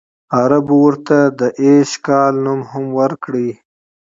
عربو ورته د ایش کال نوم هم ورکړی.